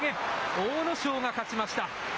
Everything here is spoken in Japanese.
阿武咲が勝ちました。